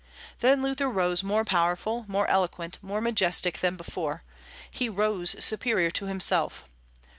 Then Luther rose, more powerful, more eloquent, more majestic than before; he rose superior to himself.